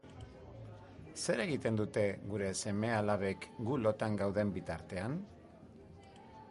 Zer egiten dute gure seme-alabek gu lotan gauden bitartean?